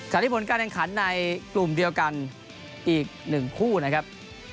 ขนาดญี่ปุ่นการแรงขันในกลุ่มเดียวกันอีก๑คู่นะครับ